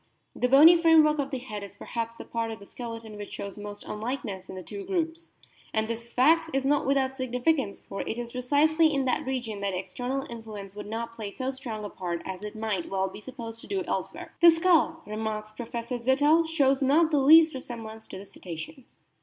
The bony framework of the head is perhaps the part of the skeleton which shows most unlikeness in the two groups. And this fact is not without significance, for it is precisely in that region that external influence would not play so strong a part as it might well be supposed to do elsewhere. " The skull," remarks Professor Zittel,* "shows not the least resemblance to the Cetaceans."